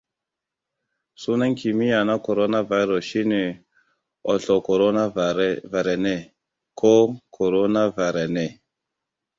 Sunan kimiyya na coronavirus shine Orthocoronavirinae ko Coronavirinae.